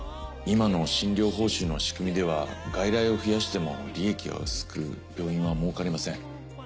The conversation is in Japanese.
今の診療報酬の仕組みでは外来を増やしても利益は薄く病院は儲かりません。